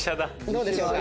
どうでしょうか？